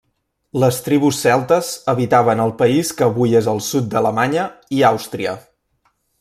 Les tribus celtes habitaven el país que avui és el sud d'Alemanya i Àustria.